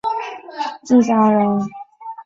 敬翔人。